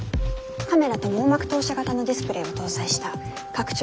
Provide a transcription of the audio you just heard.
カメラと網膜投射型のディスプレーを搭載した拡張